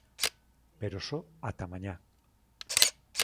Pero só ata mañá.